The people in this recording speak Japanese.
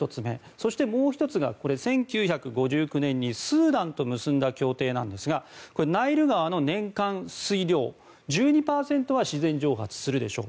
そしてもう１つが、１９５９年にスーダンと結んだ協定ですがナイル川の年間水量、１２％は自然蒸発するでしょう。